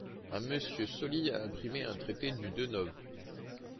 un Monsieur Sauli a imprimé un traité du deux nov.